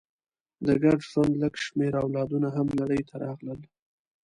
د ګډ ژوند لږ شمېر اولادونه هم نړۍ ته راغلل.